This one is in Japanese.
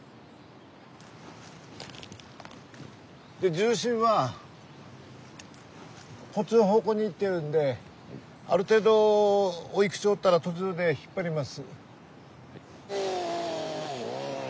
重心はこっちの方向にいってるんである程度おい口掘ったら途中で引っ張ります。